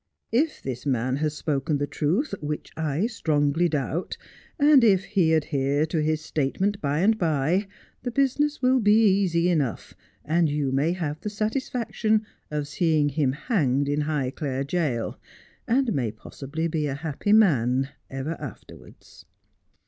If this man has spoken the truth — which I strongly doubt — and if he adhere to his statement by and by, the business will be easy enough, and you may have the satisfaction of seeing him hanged in Highclere jail, and may possibly be a happy man ever afterwards.'